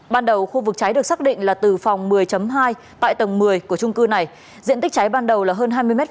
ban đầu khu vực cháy được xác định là từ phòng một mươi hai tại tầng một mươi của trung cư này diện tích cháy ban đầu là hơn hai mươi m hai